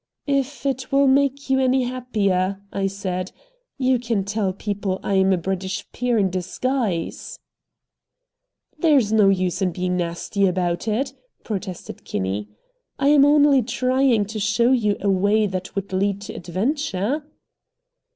"If it will make you any happier," I said, "you can tell people I am a British peer in disguise." "There is no use in being nasty about it," protested Kinney. "I am only trying to show you a way that would lead to adventure."